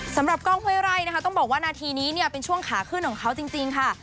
กล้องห้วยไร่นะคะต้องบอกว่านาทีนี้เนี่ยเป็นช่วงขาขึ้นของเขาจริงค่ะ